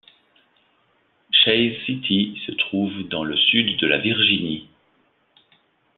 Chase City se trouve dans le sud de la Virginie.